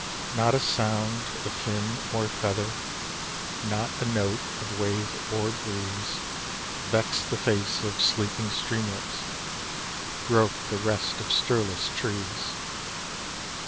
Not a sound of fin or feather, not a note of wave or breeze, Vext the face of sleeping streamlets, broke the rest of stirless trees.